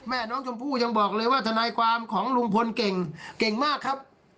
แม่น้องชมพู่ยังบอกเลยว่าทนายความของลุงพลเก่งเก่งมากครับ